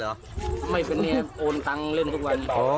ไม่มีเป็นนี่นะโอนว่าตั้งอื่นทุกวัน